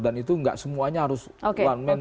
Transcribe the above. dan itu nggak semuanya harus one man